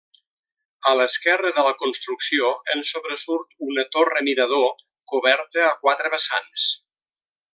A l'esquerra de la construcció en sobresurt una torre-mirador coberta a quatre vessants.